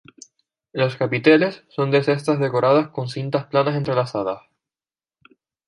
Los capiteles son de cestas decoradas con cintas planas entrelazadas.